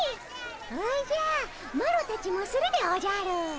おじゃマロたちもするでおじゃる。